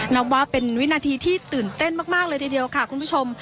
นับว่าเป็นวินาทีที่ตื่นเต้นมากเลยทีเดียวค่ะคุณผู้ชม